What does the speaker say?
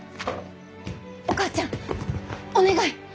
お母ちゃんお願い！